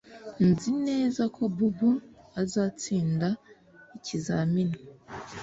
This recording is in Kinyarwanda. Nzi neza ko Bob azatsinda ikizamini